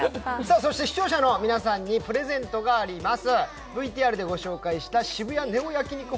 そして視聴者の皆さんにプレゼントがあります。